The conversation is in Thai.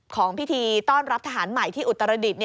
ของพิธีต้อนรับทหารใหม่ที่อุตรดิษฐ์